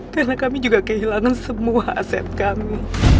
karena kami juga kehilangan semua aset kami